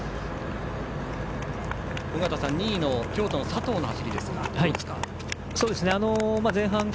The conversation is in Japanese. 尾方さん、２位の京都の佐藤の走りはどうですか？